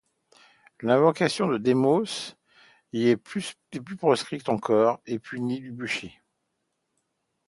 L'invocation de démons y est plus proscrite encore, et punie du bûcher.